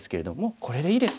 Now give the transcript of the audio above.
これでいいです。